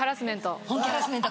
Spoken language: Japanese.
本気ハラスメント。